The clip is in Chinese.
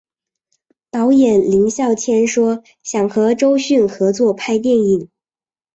导演林孝谦说想和周迅合作拍电影。